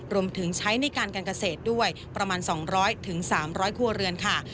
รวมถึงใช้ในการการเกษตรด้วยประมาณ๒๐๐๓๐๐ครัวเรือนค่ะ